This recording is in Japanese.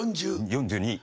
４２。